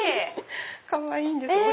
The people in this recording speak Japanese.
かわいいんです。